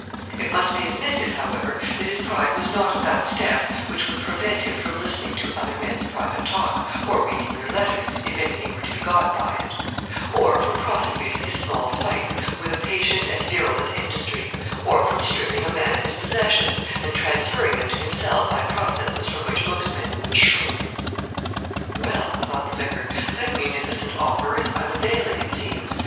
It must be admitted, however, that his pride was not of that stamp which would prevent him from listening to other men's private talk, or reading their letters, if anything were to be got by it; or from prosecuting his small spites with a patient and virulent industry; or from stripping a man of his possessions, and transferring them to himself by processes from which most men would shrink. 'Well,' thought the vicar, 'that munificent offer is unavailing, it seems.